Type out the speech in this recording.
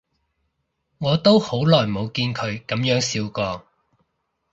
我都好耐冇見佢噉樣笑過